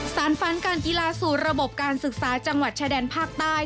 สารฝันการกีฬาสู่ระบบการศึกษาจังหวัดชายแดนภาคใต้